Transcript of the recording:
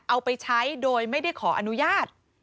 เอาไปใช้โดยไม่ได้ขออนุญาต